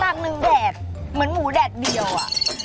จากหนึ่งแดดเหมือนหมูแดดเดียวอะ